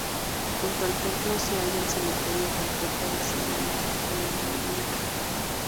Junto al templo se halla el cementerio con portada decimonónica.